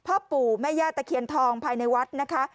พ่อปู่แม่ย่าตะเคียนทองภายในวัดนะคะ